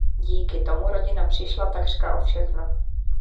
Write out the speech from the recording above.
Díky tomu rodina přišla takřka o všechno.